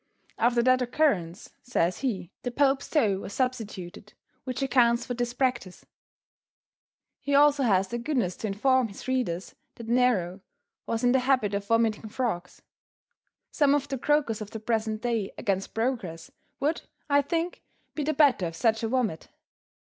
After that occurrence, says he, the Pope's toe was substituted, which accounts for this practice. He also has the goodness to inform his readers that Nero was in the habit of vomiting frogs. Some of the croakers of the present day against progress would, I think, be the better of such a vomit.